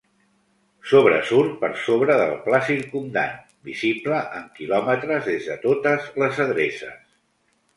Sobresurt per sobre del pla circumdant, visible en quilòmetres des de totes les adreces.